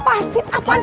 lepasin apaan sih